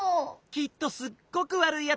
きっとすっごくわるいやつだよ！